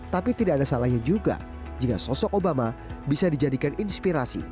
tapi tidak ada salahnya juga jika sosok obama bisa dijadikan inspirasi